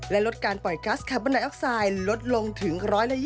และลดการปล่อยกัสคาร์บอนไดออกไซด์ลดลงถึง๑๒๐